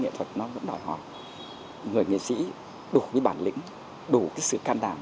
nghệ thuật nó vẫn đòi hỏi người nghệ sĩ đủ bản lĩnh đủ sự can đảm